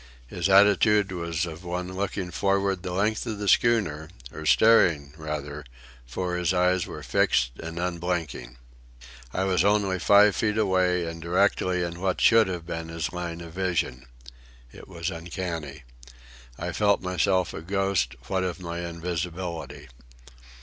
His attitude was of one looking forward the length of the schooner, or staring, rather, for his eyes were fixed and unblinking. I was only five feet away and directly in what should have been his line of vision. It was uncanny. I felt myself a ghost, what of my invisibility.